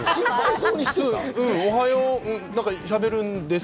おはようをしゃべるんです。